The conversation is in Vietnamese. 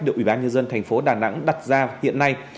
được ủy ban nhân dân thành phố đà nẵng đặt ra hiện nay